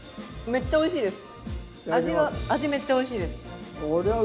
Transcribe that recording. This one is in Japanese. めっちゃおいしいです。